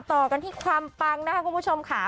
ต่อกันที่ความปังนะคะคุณผู้ชมค่ะ